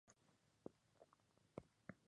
El arco es sostenido por debajo de la mano.